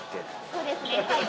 そうですねはい。